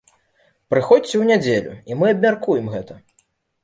Прыходзьце ў нядзелю, і мы абмяркуем гэта!